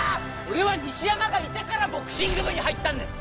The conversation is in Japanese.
俺は西山がいたからボクシング部に入ったんです！